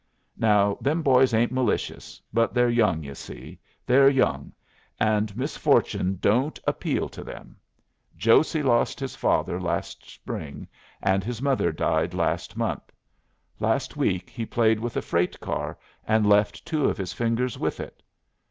Now them boys ain't malicious, but they're young, you see, they're young, and misfortune don't appeal to them. Josey lost his father last spring, and his mother died last month. Last week he played with a freight car and left two of his fingers with it.